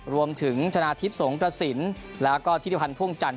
ชนะทิพย์สงกระสินแล้วก็ธิริพันธ์พ่วงจันท